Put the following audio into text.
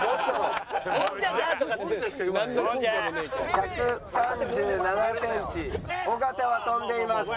１３７センチ尾形は跳んでいます。